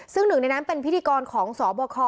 ซึ่งหนึ่งในนั้นเป็นพิธีกรของสบค